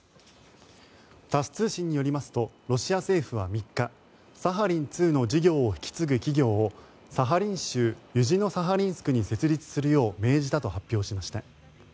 タス通信によりますとロシア政府は３日サハリン２の事業を引き継ぐ企業をサハリン州ユジノサハリンスクに設立するよう命じたと発表しました。